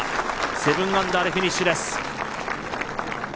７アンダーでフィニッシュです